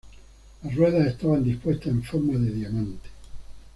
Las ruedas estaban dispuestas en forma de diamante.